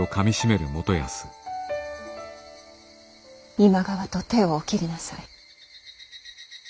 今川と手をお切りなさい。